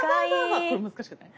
これ難しくない？